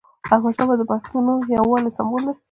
احمدشاه بابا د پښتنو یووالي سمبول دی.